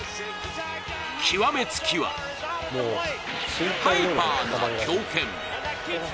極めつきはハイパーな強肩。